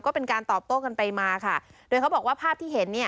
ก็เป็นการตอบโต้กันไปมาค่ะโดยเขาบอกว่าภาพที่เห็นเนี่ย